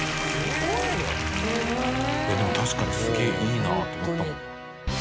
でも確かにすげえいいなと思ったもん。